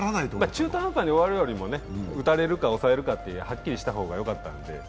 中途半端に終わるよりも打たれるか、抑えるか、はっきりした方がよかったんで。